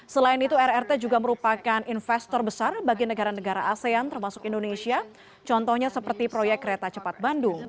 selain itu rrt juga merupakan investor besar bagi negara negara asean termasuk indonesia contohnya seperti proyek kereta cepat bandung